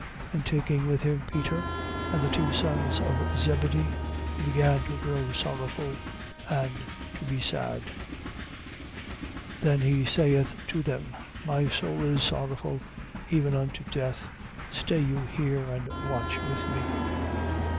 And taking with him Peter and the two sons of Zebedee, he began to grow sorrowful and to be sad. 26:38. Then he saith to them: My soul is sorrowful even unto death. Stay you here and watch with me.